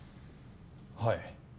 はい。